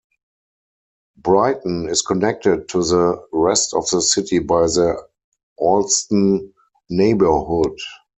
Brighton is connected to the rest of the city by the Allston neighborhood.